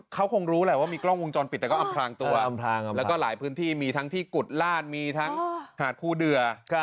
เขาคงรู้แหละว่ามีกล้องวงจรปิดแต่ก็อำพลางตัวอำพลางแล้วก็หลายพื้นที่มีทั้งที่กุฎลาดมีทั้งหาดคูเดือ